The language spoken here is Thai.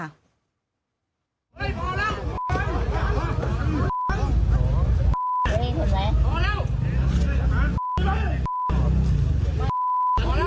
เฮ่ยพอแล้ว